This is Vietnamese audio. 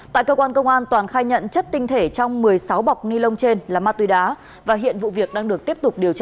tại cơ quan công an toàn khai nhận chất tinh thể trong một mươi sáu bọc ni lông trên là ma túy đá và hiện vụ việc đang được tiếp tục điều tra